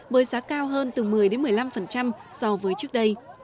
với giá cao hơn từ một mươi một mươi năm so với trước đây